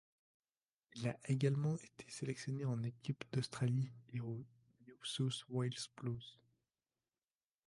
Il a également été sélectionné en équipe d'Australie et aux New South Wales Blues.